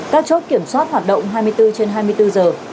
các chốt kiểm soát hoạt động hai mươi bốn trên hai mươi bốn giờ